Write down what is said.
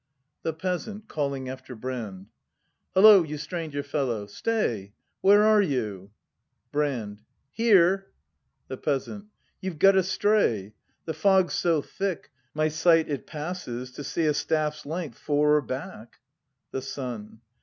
The Peasant. [Calling after Brand.] Hullo, you stranger fellow, stay! Where are you ? Brand. Here! The Peasant. You've got astray! The fog's so thick, my sight it passes To see a staff's length 'fore or back The Son.